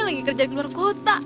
lagi kerja di luar kota